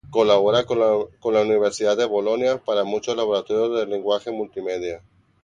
Colabora con la Universidad de Bolonia para muchos laboratorios lenguaje multimedia.